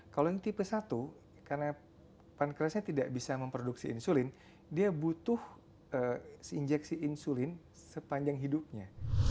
kalau yang tipe satu karena pankreasnya tidak bisa memproduksi insulin dia butuh injeksi insulin sepanjang hidupnya